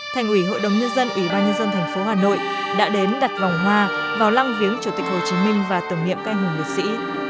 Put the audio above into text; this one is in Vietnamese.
thành ủy hội đồng nhân dân ủy ban nhân dân thành phố hà nội đã đến đặt vòng hoa vào lăng viếng chủ tịch hồ chí minh và tưởng niệm canh hùng liệt sĩ